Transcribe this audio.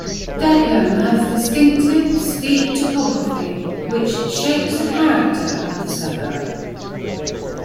Deckham has distinctive, steep topography which "shapes the character" of the suburb.